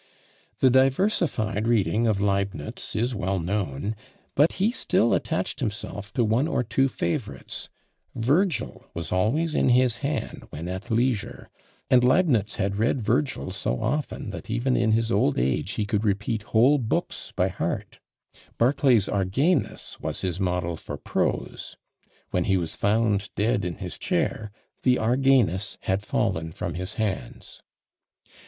The diversified reading of Leibnitz is well known; but he still attached himself to one or two favourites: Virgil was always in his hand when at leisure, and Leibnitz had read Virgil so often, that even in his old age he could repeat whole books by heart; Barclay's Argenis was his model for prose; when he was found dead in his chair, the Argenis had fallen from his hands.